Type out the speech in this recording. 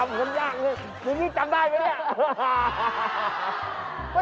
มึงนี่จำคนยากเลย